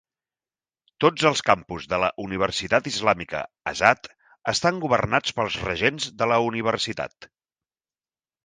Tots els campus de la Universitat Islàmica Azad estan governats pels regents de la universitat.